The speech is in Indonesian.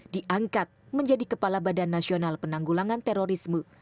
diangkat menjadi kepala badan nasional penanggulangan terorisme